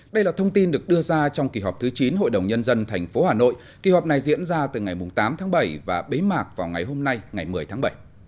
đây là thông tin được đưa ra trong kỳ họp thứ chín hội đồng nhân dân tp hà nội kỳ họp này diễn ra từ ngày tám tháng bảy và bế mạc vào ngày hôm nay ngày một mươi tháng bảy